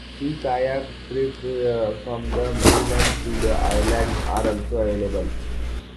Sea kayak trips from the mainland to the island are also available.